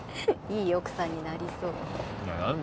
いい奥さんになりそう。